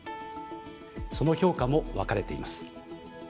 その評価も分かれています。